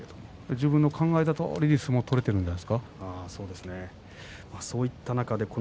自分の考えたとおりに相撲が取れているんじゃないですか。